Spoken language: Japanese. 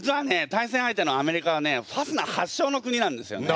対戦相手のアメリカはねファスナー発祥の国なんですよね。